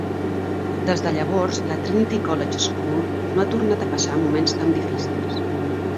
Des de llavors la Trinity College School no ha tornat a passar moments tan difícils.